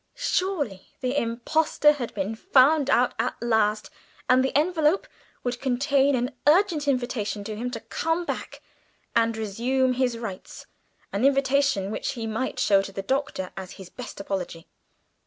Surely the impostor had been found out at last, and the envelope would contain an urgent invitation to him to come back and resume his rights an invitation which he might show to the Doctor as his best apology.